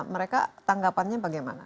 mereka tanggapannya bagaimana